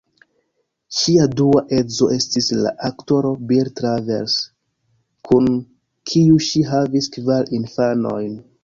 Ŝia dua edzo estis la aktoro Bill Travers, kun kiu ŝi havis kvar infanojn.